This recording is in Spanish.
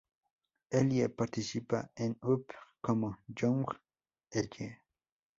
Elie participa en "Up" como "Young Ellie".